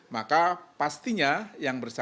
maka pastinya yang bersamaan